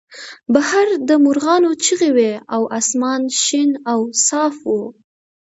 بهر د مرغانو چغې وې او اسمان شین او صاف و